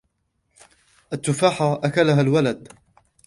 التفاحة أكلها الولد.